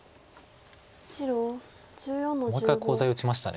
もう一回コウ材打ちました。